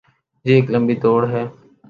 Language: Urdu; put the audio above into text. یہ ایک لمبی دوڑ ہے۔